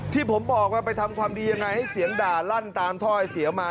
ที่ผมบอกว่าไปทำความดียังไงให้เสียงด่าลั่นตามถ้อยเสียมา